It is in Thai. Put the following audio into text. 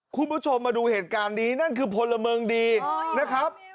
คุณผู้ชมมาดูเหตุการณ์นี้นั่นคือพลเมืองดีนะครับ